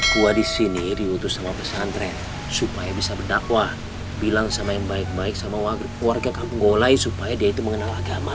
gua di sini diutus sama pesantren supaya bisa berdakwah bilang sama yang baik baik sama warga kampung golai supaya dia itu mengenal agama